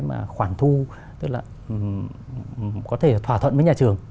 mà khoản thu tức là có thể thỏa thuận với nhà trường